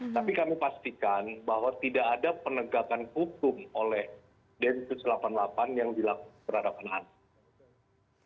tapi kami pastikan bahwa tidak ada penegakan hukum oleh densus delapan puluh delapan yang dilakukan terhadap anak anak